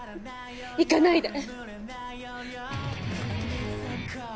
行かないで！